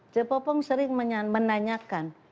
cepopong sering menanyakan